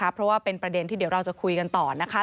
เพราะว่าเป็นประเด็นที่เดี๋ยวเราจะคุยกันต่อนะคะ